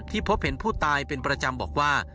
พบเห็นผู้ตายเป็นประจำบอกว่า